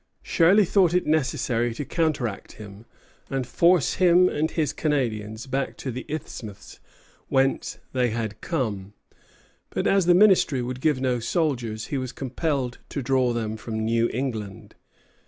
Shirley thought it necessary to counteract him, and force him and his Canadians back to the isthmus whence they had come; but as the ministry would give no soldiers, he was compelled to draw them from New England.